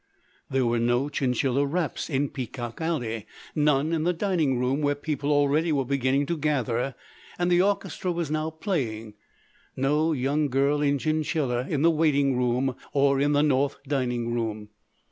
There were no chinchilla wraps in Peacock Alley; none in the dining room where people already were beginning to gather and the orchestra was now playing; no young girl in chinchilla in the waiting room, or in the north dining room.